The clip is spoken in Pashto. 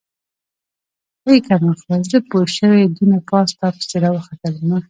ای کمقله زه پوشوې دونه پاس تاپسې راوختلمه.